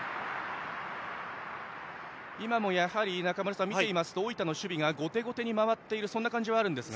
今もやはり中村さん、見ていますと大分の守備が後手後手に回っているそんな感じはあるんですが。